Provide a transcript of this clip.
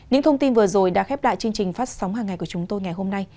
những thông tin vừa rồi đã khép lại chương trình phát sóng hàng ngày của chúng tôi ngày hôm nay